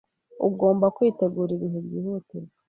Ugomba kwitegura ibihe byihutirwa.